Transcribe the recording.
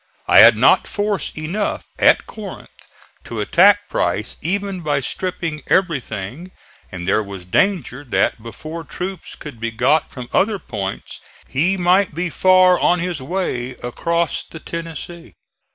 I had not force enough at Corinth to attack Price even by stripping everything; and there was danger that before troops could be got from other points he might be far on his way across the Tennessee.